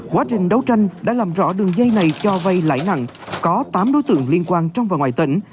quá trình đấu tranh đã làm rõ đường dây này cho vay lãi nặng có tám đối tượng liên quan trong và ngoài tỉnh